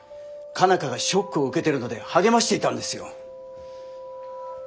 佳奈花がショックを受けてるので励ましていたんですよ。